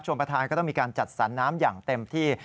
ประธานก็ต้องมีการจัดสรรน้ำอย่างเต็มที่